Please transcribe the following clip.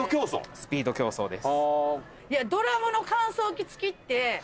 スピード競争です。